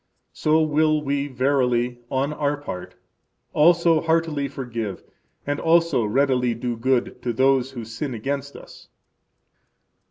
So will we verily, on our part, also heartily forgive and also readily do good to those who sin against us.